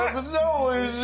おいしい！